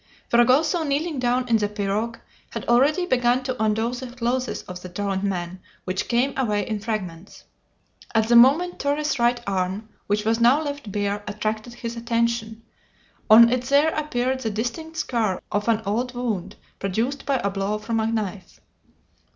Fragoso, kneeling down in the pirogue, had already begun to undo the clothes of the drowned man, which came away in fragments. At the moment Torres' right arm, which was now left bare, attracted his attention. On it there appeared the distinct scar of an old wound produced by a blow from a knife.